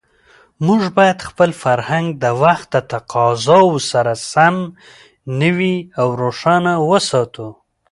موږ باید خپل فرهنګ د وخت له تقاضاوو سره سم نوی او روښانه وساتو.